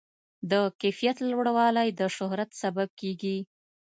د کیفیت لوړوالی د شهرت سبب کېږي.